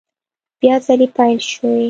بیا ځلي پیل شوې